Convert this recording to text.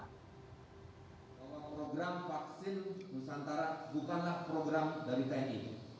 bahwa program vaksin nusantara bukanlah program dari tni